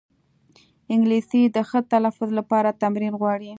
انګلیسي د ښه تلفظ لپاره تمرین غواړي